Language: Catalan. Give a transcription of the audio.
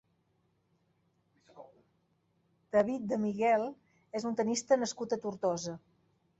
David de Miguel és un tennista nascut a Tortosa.